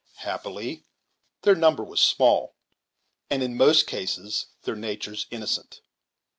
Happily their number was small, and in most cases their natures innocent.